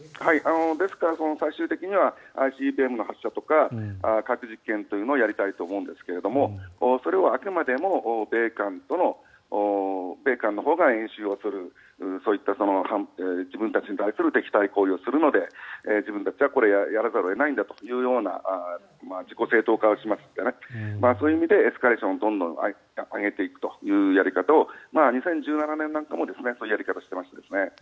ですから最終的にはＩＣＢＭの発射とか核実験をやりたいと思うんですがそれはあくまでも米韓のほうが演習をするそういった自分たちに対する敵対行為をするので自分たちはこれをやらざるを得ないんだというような自己正当化をしますのでそういう意味でエスカレーションどんどん上げていくというやり方を２０１７年なんかもそういうやり方をしてました。